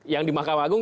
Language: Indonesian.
yang di makam agung